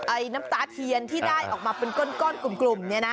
น้ำตาเทียนที่ได้ออกมาเป็นก้อนกลุ่มเนี่ยนะ